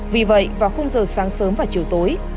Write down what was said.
vì vậy vào khung giờ sáng sớm và chiều tối